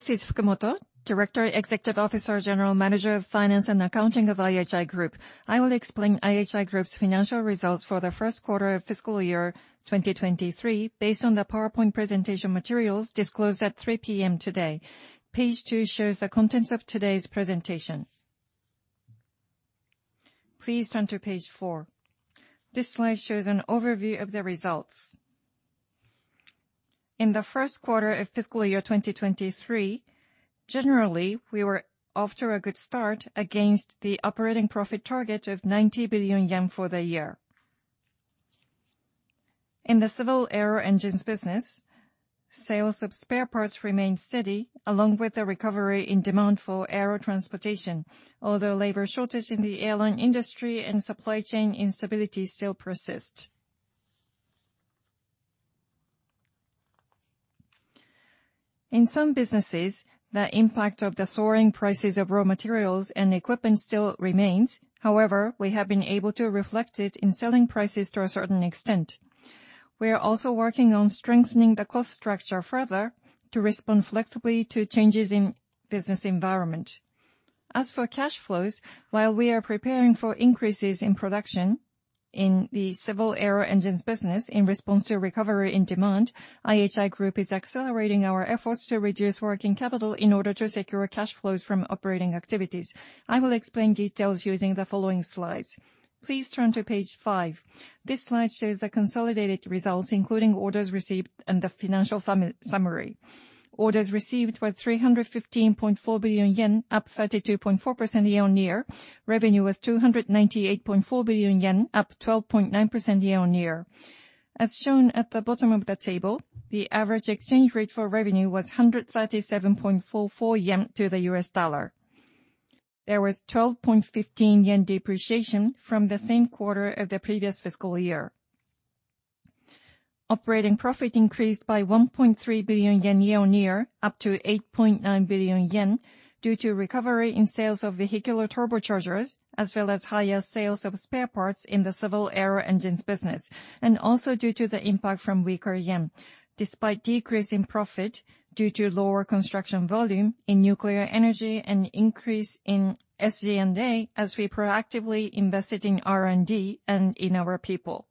This is Fukumoto, Director, Executive Officer, General Manager of Finance and Accounting of IHI Group. I will explain IHI Group's financial results for the first quarter of fiscal year 2023, based on the PowerPoint presentation materials disclosed at 3:00 P.M. today. Page two shows the contents of today's presentation. Please turn to page four. This slide shows an overview of the results. In the first quarter of fiscal year 2023, generally, we were off to a good start against the operating profit target of 90 billion yen for the year. In the civil aero engines business, sales of spare parts remained steady, along with the recovery in demand for air transportation, although labor shortage in the airline industry and supply chain instability still persist. In some businesses, the impact of the soaring prices of raw materials and equipment still remains. However, we have been able to reflect it in selling prices to a certain extent. We are also working on strengthening the cost structure further to respond flexibly to changes in business environment. As for cash flows, while we are preparing for increases in production in the civil aero engines business in response to recovery in demand, IHI Group is accelerating our efforts to reduce working capital in order to secure cash flows from operating activities. I will explain details using the following slides. Please turn to page five. This slide shows the consolidated results, including orders received and the financial summary. Orders received were 315.4 billion yen, up 32.4% year-on-year. Revenue was 298.4 billion yen, up 12.9% year-on-year. As shown at the bottom of the table, the average exchange rate for revenue was 137.44 yen to the US dollar. There was 12.15 yen depreciation from the same quarter of the previous fiscal year. Operating profit increased by 1.3 billion yen year-on-year, up to 8.9 billion yen, due to recovery in sales of vehicular turbochargers, as well as higher sales of spare parts in the civil aero engines business, and also due to the impact from weaker yen, despite decrease in profit due to lower construction volume in nuclear energy and increase in SG&A, as we proactively invested in R&D and in our people.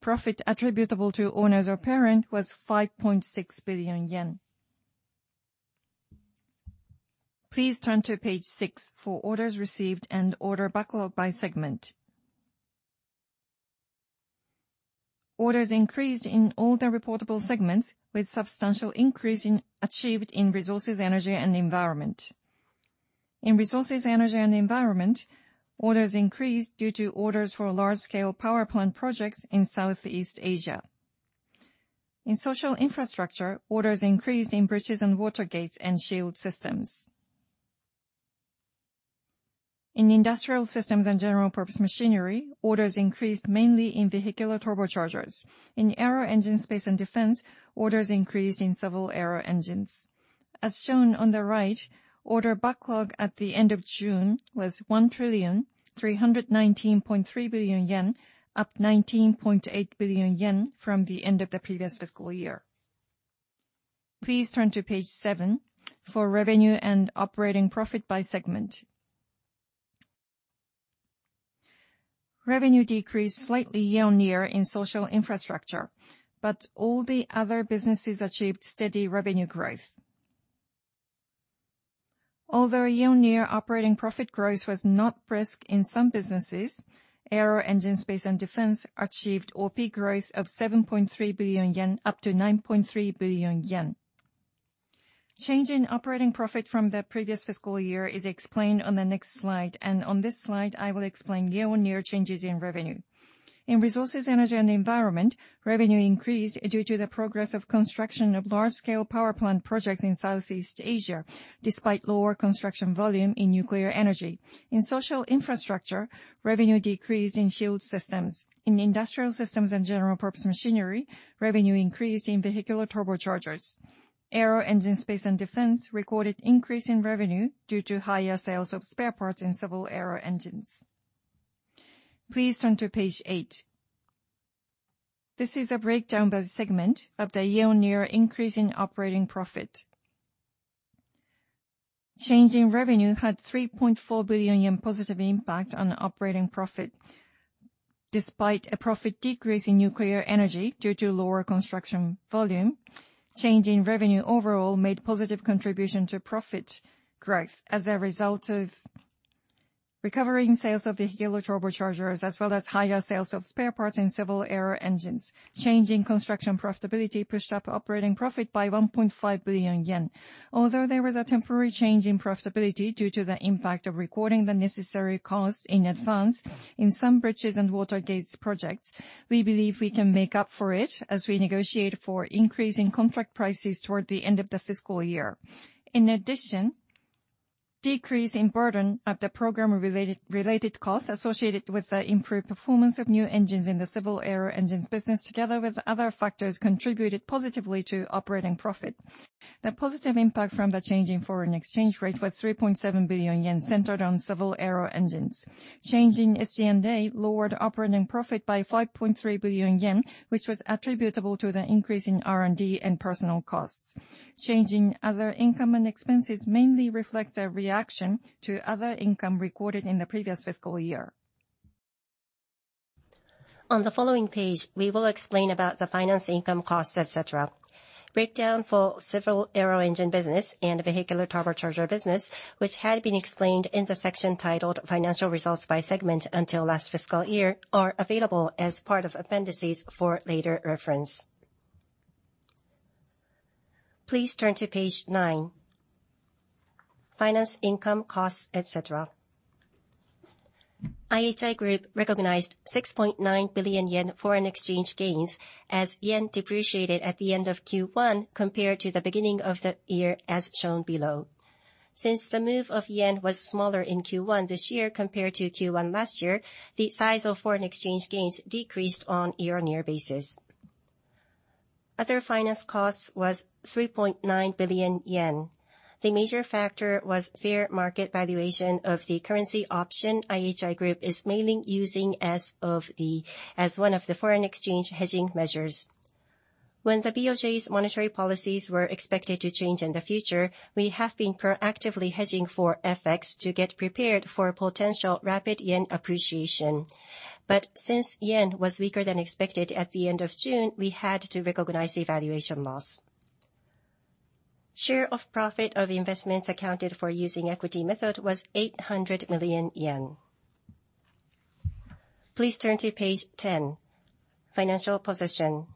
Profit attributable to owners of parent was 5.6 billion yen. Please turn to page six for orders received and order backlog by segment. Orders increased in all the reportable segments, with substantial increase achieved in Resources, Energy and Environment. In Resources, Energy and Environment, orders increased due to orders for large-scale power plant projects in Southeast Asia. In Social Infrastructure, orders increased in bridges and water gates and shield systems. In Industrial Systems and General-Purpose Machinery, orders increased mainly in vehicular turbochargers. In Aero Engine, Space and Defense, orders increased in civil aero engines. As shown on the right, order backlog at the end of June was 1,319.3 billion yen, up 19.8 billion yen from the end of the previous fiscal year. Please turn to page seven for revenue and operating profit by segment. Revenue decreased slightly year-on-year in Social Infrastructure, but all the other businesses achieved steady revenue growth. Although year-on-year operating profit growth was not brisk in some businesses, Aero Engine, Space and Defense achieved OP growth of 7.3 billion yen, up to 9.3 billion yen. Change in operating profit from the previous fiscal year is explained on the next slide, and on this slide, I will explain year-on-year changes in revenue. In Resources, Energy and Environment, revenue increased due to the progress of construction of large-scale power plant projects in Southeast Asia, despite lower construction volume in nuclear energy. In social infrastructure, revenue decreased in shield systems. In Industrial Systems and General-Purpose Machinery, revenue increased in vehicular turbochargers. Aero Engine, Space and Defense recorded increase in revenue due to higher sales of spare parts in civil aero engines. Please turn to page eight. This is a breakdown by segment of the year-on-year increase in operating profit. Change in revenue had 3.4 billion yen positive impact on operating profit. Despite a profit decrease in nuclear energy due to lower construction volume, change in revenue overall made positive contribution to profit growth as a result of recovering sales of vehicular turbochargers, as well as higher sales of spare parts in civil aero engines. Change in construction profitability pushed up operating profit by 1.5 billion yen. Although there was a temporary change in profitability due to the impact of recording the necessary cost in advance in some bridges and water gates projects, we believe we can make up for it as we negotiate for increasing contract prices toward the end of the fiscal year. In addition, decrease in burden of the program-related costs associated with the improved performance of new engines in the civil aero engines business, together with other factors, contributed positively to operating profit. The positive impact from the change in foreign exchange rate was 3.7 billion yen, centered on civil aero engines. Change in SG&A lowered operating profit by 5.3 billion yen, which was attributable to the increase in R&D and personal costs. Change in other income and expenses mainly reflects a reaction to other income recorded in the previous fiscal year. On the following page, we will explain about the finance income costs, et cetera. Breakdown for civil aero engine business and vehicular turbocharger business, which had been explained in the section titled Financial Results by Segment until last fiscal year, are available as part of appendices for later reference. Please turn to page nine, finance income costs, et cetera. IHI Group recognized 6.9 billion yen foreign exchange gains as yen depreciated at the end of Q1 compared to the beginning of the year, as shown below. Since the move of yen was smaller in Q1 this year compared to Q1 last year, the size of foreign exchange gains decreased on year-on-year basis. Other finance costs was 3.9 billion yen. The major factor was fair market valuation of the currency option IHI Group is mainly using as one of the foreign exchange hedging measures. When the BOJ's monetary policies were expected to change in the future, we have been proactively hedging for FX to get prepared for potential rapid yen appreciation. Since yen was weaker than expected at the end of June, we had to recognize the valuation loss. Share of profit of investments accounted for using equity method was 800 million yen. Please turn to page 10, Financial Position.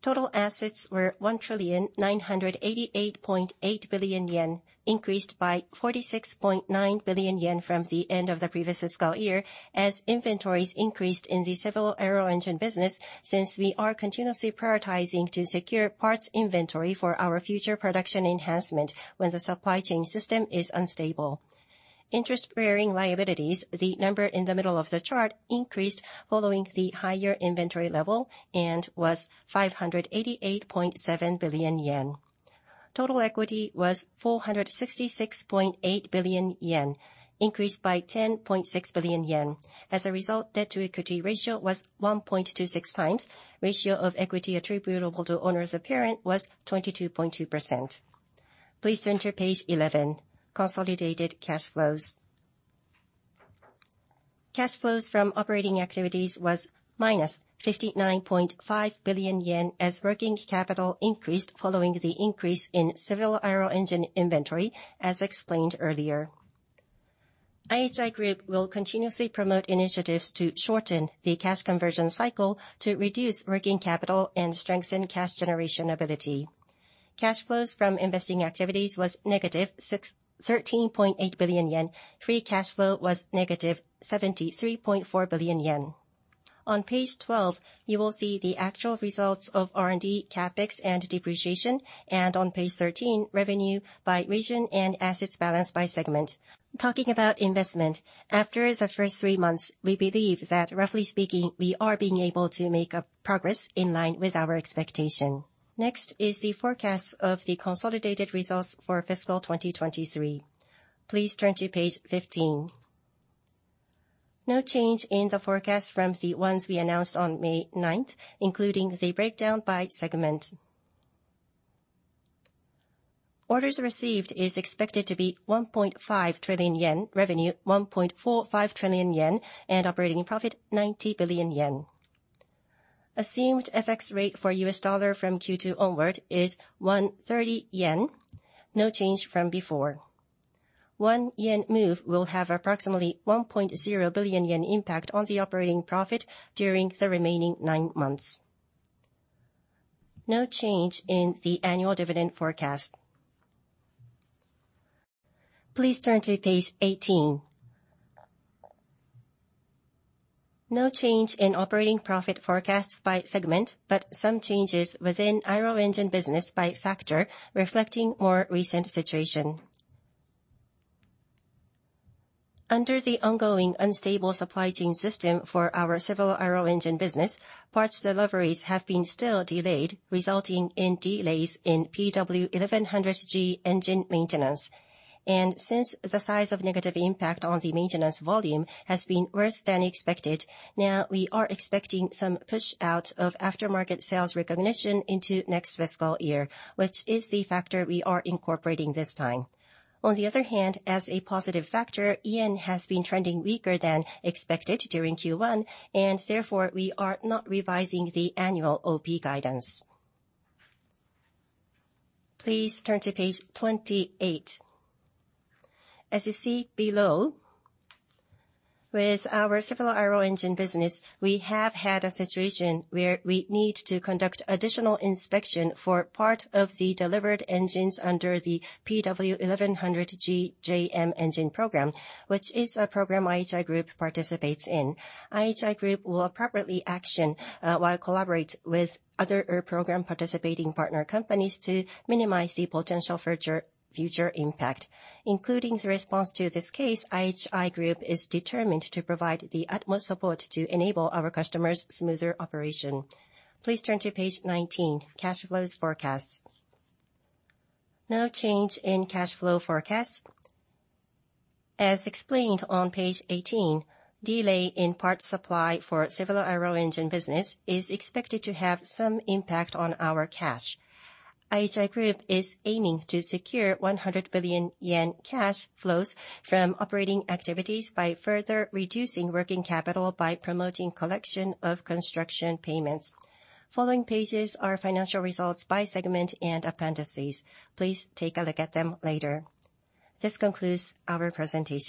Total assets were 1,988.8 billion yen, increased by 46.9 billion yen from the end of the previous fiscal year, as inventories increased in the civil aero engine business since we are continuously prioritizing to secure parts inventory for our future production enhancement when the supply chain system is unstable. Interest bearing liabilities, the number in the middle of the chart, increased following the higher inventory level and was 588.7 billion yen. Total equity was 466.8 billion yen, increased by 10.6 billion yen. As a result, debt-to-equity ratio was 1.26 times. Ratio of equity attributable to owners of parent was 22.2%. Please turn to page 11, Consolidated Cash Flows. Cash flows from operating activities was minus 59.5 billion yen, as working capital increased following the increase in Civil Aero Engine inventory, as explained earlier. IHI Group will continuously promote initiatives to shorten the cash conversion cycle to reduce working capital and strengthen cash generation ability. Cash flows from investing activities was negative 63.8 billion yen. Free cash flow was negative 73.4 billion yen. On page 12, you will see the actual results of R&D CapEx and depreciation, and on page 13, revenue by region and assets balance by segment. Talking about investment, after the first three months, we believe that roughly speaking, we are being able to make a progress in line with our expectation. Next is the forecast of the consolidated results for fiscal 2023. Please turn to page 15. No change in the forecast from the ones we announced on May 9th, including the breakdown by segment. Orders received is expected to be 1.5 trillion yen, revenue 1.45 trillion yen, and operating profit 90 billion yen. Assumed FX rate for US dollar from Q2 onward is 130 yen. No change from before. 1 yen move will have approximately 1.0 billion yen impact on the operating profit during the remaining nine months. No change in the annual dividend forecast. Please turn to page 18. No change in operating profit forecasts by segment, but some changes within aero engine business by factor reflecting more recent situation. Under the ongoing unstable supply chain system for our civil aero engine business, parts deliveries have been still delayed, resulting in delays in PW1100G engine maintenance. Since the size of negative impact on the maintenance volume has been worse than expected, now we are expecting some push out of aftermarket sales recognition into next fiscal year, which is the factor we are incorporating this time. On the other hand, as a positive factor, yen has been trending weaker than expected during Q1, and therefore, we are not revising the annual OP guidance. Please turn to page 28. As you see below, with our civil aero engine business, we have had a situation where we need to conduct additional inspection for part of the delivered engines under the PW1100G-JM engine program, which is a program IHI Group participates in. IHI Group will appropriately action while collaborate with other program participating partner companies to minimize the potential future, future impact. Including the response to this case, IHI Group is determined to provide the utmost support to enable our customers smoother operation. Please turn to page 19, Cash Flows Forecasts. No change in cash flow forecast. As explained on page 18, delay in parts supply for Civil Aero Engine business is expected to have some impact on our cash. IHI Group is aiming to secureJPY100 billion cash flows from operating activities by further reducing working capital by promoting collection of construction payments. Following pages are financial results by segment and appendices. Please take a look at them later. This concludes our presentation.